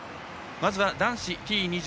まずは男子Ｔ２０